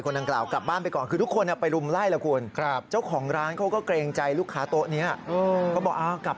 ตรงกลางไหมละ